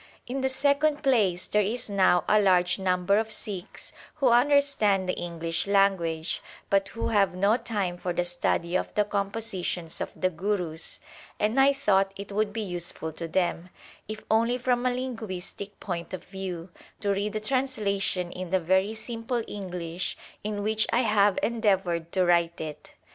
In the second place, there is now a large number of Sikhs who understand the English language, but who have no time for the study of the compositions of the Gurus, and I thought it would be useful to them, if only from a linguistic point of view, to read a translation in the very simple English in which I have endeavoured to write it.